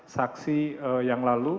saksi yang lalu